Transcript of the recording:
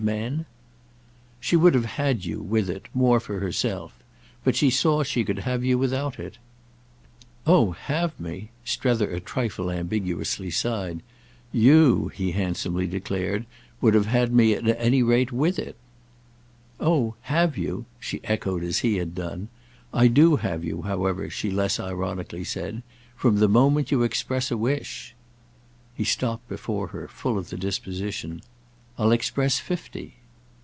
"Men?" "She would have had you, with it, more for herself. But she saw she could have you without it." "Oh 'have' me!" Strether a trifle ambiguously sighed. "You," he handsomely declared, "would have had me at any rate with it." "Oh 'have' you!"—she echoed it as he had done. "I do have you, however," she less ironically said, "from the moment you express a wish." He stopped before her, full of the disposition. "I'll express fifty."